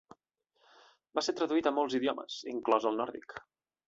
Va ser traduït a molts idiomes, inclòs el nòrdic.